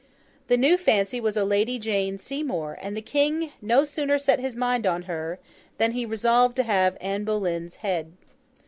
The new fancy was a Lady Jane Seymour; and the King no sooner set his mind on her, than he resolved to have Anne Boleyn's head.